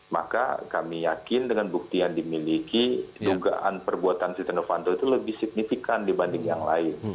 maka kami yakin dengan bukti yang dimiliki dugaan perbuatan siti novanto itu lebih signifikan dibanding yang lain